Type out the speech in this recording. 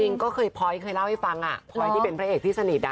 จริงก็เคยพอยต์เคยเล่าให้ฟังพลอยที่เป็นพระเอกที่สนิท